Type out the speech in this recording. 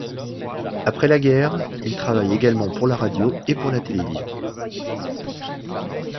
Après la guerre, il travaille également pour la radio et pour la télévision.